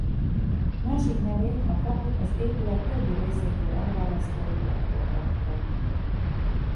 Másik nevét a kaput az épület többi részétől elválasztó rudakról kapta.